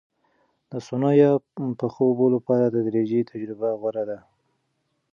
د سونا یا یخو اوبو لپاره تدریجي تجربه غوره ده.